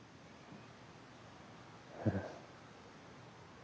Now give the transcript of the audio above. うん。